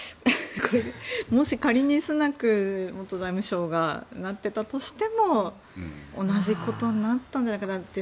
もし、仮にスナク元財務相がなっていたとしても同じことになったんじゃないかなって。